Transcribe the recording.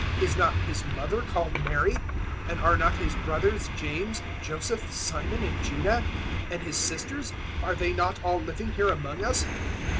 Is not his mother called Mary? And are not his brothers, James, Joseph, Simon and Judah? 013:056 And his sisters are they not all living here among us?